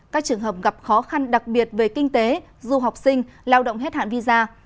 các trường hợp gặp khó khăn đặc biệt về kinh tế du học sinh lao động hết hạn visa